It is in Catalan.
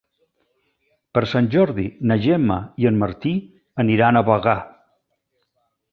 Per Sant Jordi na Gemma i en Martí aniran a Bagà.